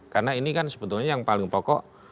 karena ini kan sebetulnya yang paling pokok